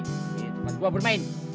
ini tempat gue bermain